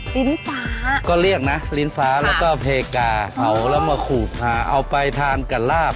ลิ้นฟ้าก็เรียกนะลิ้นฟ้าแล้วก็เพกาเผาแล้วมาขู่พาเอาไปทานกับลาบ